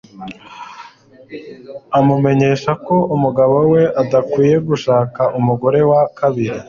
amumenyesha ko umugabo we adakwiye gushaka umugore wa kabiri